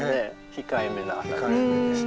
控えめな花です。